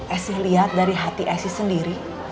esi lihat dari hati asi sendiri